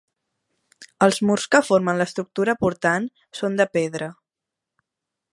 Els murs que formen l'estructura portant, són de pedra.